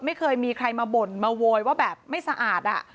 ไม่เคยมีใครมาบ่นมาโวยว่าแบบไม่สะอาด